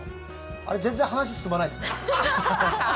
あれ、全然話進まないですね。